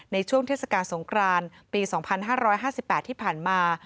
ในช่วงเทศกาลสงครานปี๒๕๕๘ที่ผ่านมา